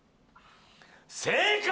正解！